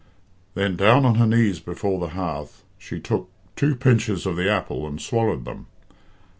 Then, down on her knees before the hearth, she took took two pinches of the apple and swallowed them.